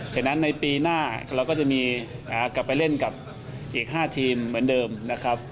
ฉะนั้นในปีหน้าเราก็จะมีกลับไปเล่นกับอีก๕ทีมเหมือนเดิมนะครับ